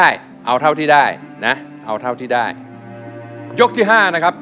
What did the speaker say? ยกที่๕นะครับ